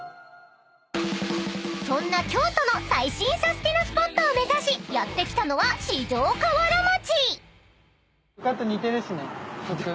［そんな京都の最新サスティなスポットを目指しやって来たのは四条河原町］